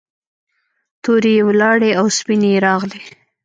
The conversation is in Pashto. تورې یې ولاړې او سپینې یې راغلې.